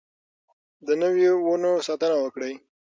د نويو ونو ساتنه وکړئ.